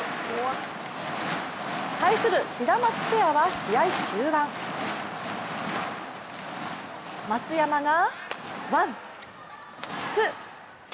対するシダマツペアは試合終盤松山が、１、２、３、４、５！